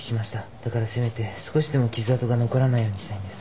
だからせめて少しでも痕跡が残らないようにしたいんです。